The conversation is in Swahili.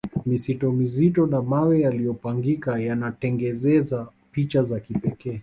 misitu mizito na mawe yaliopangika yanatengezeza picha ya kipekee